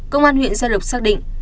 công an huyện gia lộc xác định